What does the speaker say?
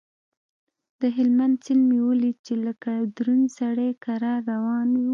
د هلمند سيند مې وليد چې لکه دروند سړى کرار روان و.